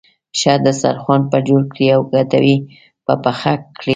ښه دسترخوان به جوړ کړې او کټوۍ به پخه کړې.